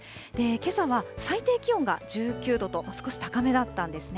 けさは最低気温が１９度と、少し高めだったんですね。